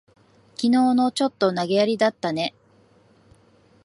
きのうの、ちょっと投げやりだったね。